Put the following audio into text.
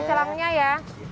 do celangnya ya